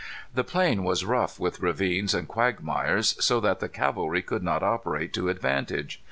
The plain was rough with ravines and quagmires, so that the cavalry could not operate to advantage.